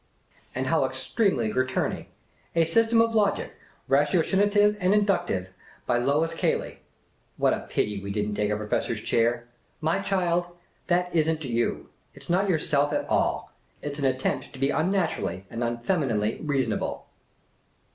" And how extremely Gir tony ! A System of Logic, Ratiocinative and Inductive, by lyois Cayley ! What a pity we did n't take a professor's chair. My child, that is n't you ! It 's not yourself at all ! It 's an attempt to be unnaturally and unfemininely reason able."